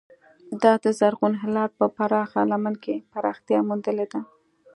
دا د زرغون هلال په پراخه لمن کې پراختیا موندلې ده.